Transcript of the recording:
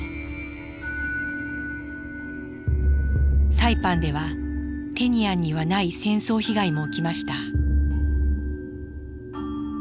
サイパンではテニアンにはない戦争被害も起きました。